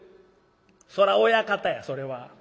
「そら『親方』やそれは。